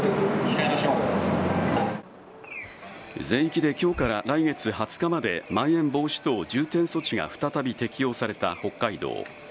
全域で今日から来月２０日までまん延防止等重点措置が再び適用された北海道。